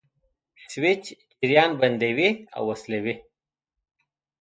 سویچ جریان بندوي او وصلوي.